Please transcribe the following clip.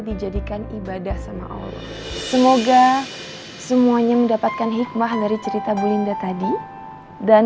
dijadikan ibadah sama allah semoga semuanya mendapatkan hikmah dari cerita bu linda tadi dan